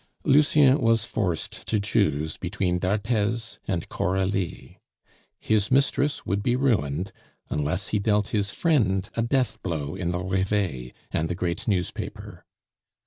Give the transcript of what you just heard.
Lucien was forced to choose between d'Arthez and Coralie. His mistress would be ruined unless he dealt his friend a death blow in the Reveil and the great newspaper.